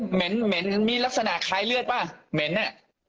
เหม็นเหม็นมีลักษณะคล้ายเลือดป่ะเหม็นอ่ะ